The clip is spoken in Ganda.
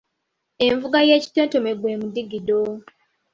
Envuga y’ekitontome gwe mudigido.